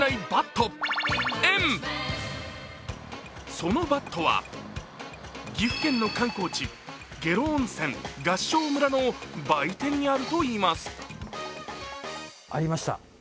そのバットは岐阜県の観光地下呂温泉合掌村の売店にあるといいます。